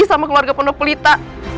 sama keluarga pondok pelita